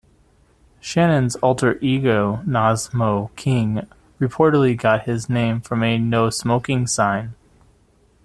Shannon's alter-ego Nosmo King reportedly got his name from a "No Smoking" sign.